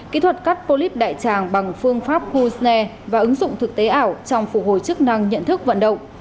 kỹ thuật cắt polyp đại tràng bằng phương pháp pusne và ứng dụng thực tế ảo trong phục hồi chức năng nhận thức vận động